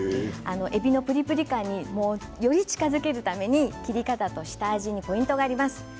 えびのプリプリ感により近づけるために切り方と下味にポイントがあります。